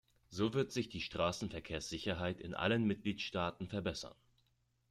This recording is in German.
So wird sich die Straßenverkehrssicherheit in allen Mitgliedstaaten verbessern.